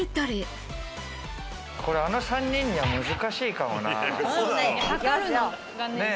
これ、あの３人には難しいかもな。